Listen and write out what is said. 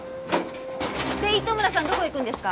って糸村さんどこ行くんですか？